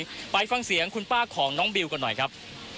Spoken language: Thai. ไปฟังเสียงคุณป้าของน้องบิวกันหน่อยครับ